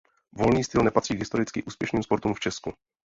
Volný styl nepatří k historicky úspěšným sportům v Česku.